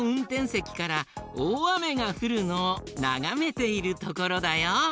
せきからおおあめがふるのをながめているところだよ。